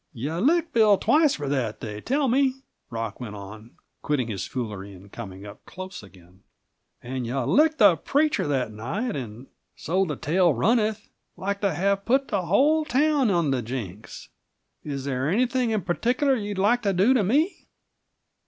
"You licked Bill twice for that, they tell me," Rock went on, quitting his foolery and coming up close again. "And you licked the preacher that night, and so the tale runneth like to have put the whole town on the jinks. Is there anything in particular you'd like to do to me?"